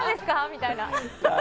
みたいな。